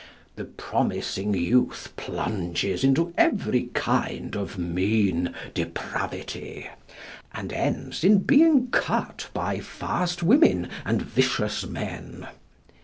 The promising youth plunges into every kind of mean depravity, and ends in being "cut" by fast women and vicious men.